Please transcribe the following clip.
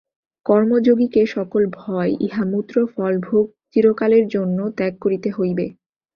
কর্মযোগীকে সকল ভয় ইহামুত্রফলভোগ চিরকালের জন্য ত্যাগ করিতে হইবে।